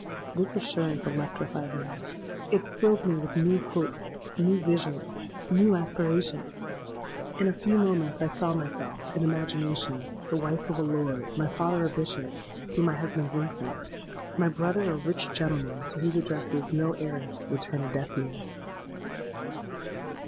'—This assurance electrified me: it filled me with new hopes, new visions, new aspirations. In a few moments I saw myself (in imagination) the wife of a Lord, my father a Bishop, through my husband's influence, and my brother a rich gentleman to whose addresses no heiress would turn a deaf ear!